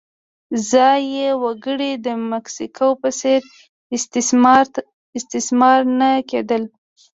ځايي وګړي د مکسیکو په څېر استثمار نه کېدل.